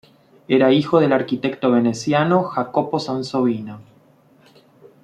Era hijo del arquitecto veneciano Jacopo Sansovino.